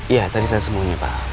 ya tadi saya sembunyi pak